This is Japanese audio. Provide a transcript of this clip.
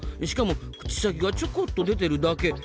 しかも口先がちょこっと出てるだけ。